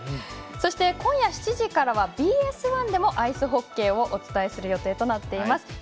そして、今夜７時からはＢＳ１でもアイスホッケーをお伝えする予定となっています。